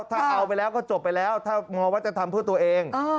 ถ้าเอาไปแล้วก็จบไปแล้วถ้ามองว่าจะทำเพื่อตัวเอง